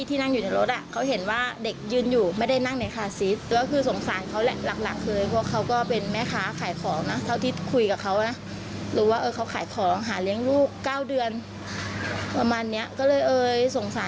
ตอนวันนี้น้องเขาก็ยังไม่ได้รับจัดรักษา